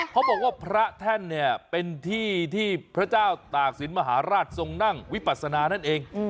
เขาบอกว่าพระแท่นเนี่ยเป็นที่ที่พระเจ้าตากศิลปมหาราชทรงนั่งวิปัสนานั่นเอง